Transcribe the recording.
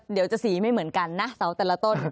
เดี๋ยวจะสีไม่เหมือนกันนะเสาแต่ละต้น